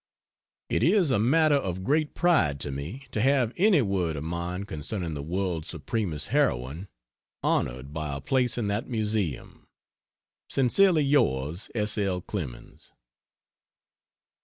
It is a matter of great pride to me to have any word of mine concerning the world's supremest heroine honored by a place in that Museum. Sincerely yours, S. L. CLEMENS.